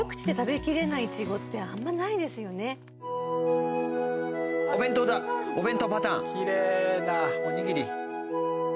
きれいなおにぎり。